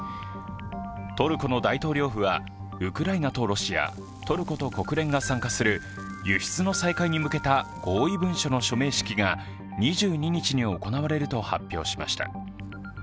トルコの大統領府はウクライナとロシア、トルコと国連が参加する輸出の再開に向けた合意文書の署名式が２２日に行われると発表しました。